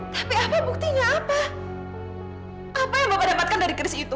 tapi apa buktinya apa apa yang bapak dapatkan dari keris itu